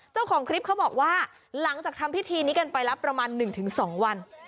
เจ้าของคลิปเขาบอกว่าหลังจากทำพิธีนี้กันไปแล้วประมาณ๑๒วัน